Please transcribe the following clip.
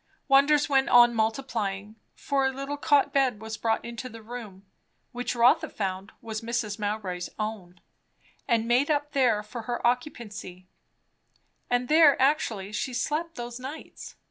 Wonders went on multiplying; for a little cot bed was brought into the room, (which Rotha found was Mrs. Mowbray's own) and made up there for her occupancy; and there actually she slept those nights.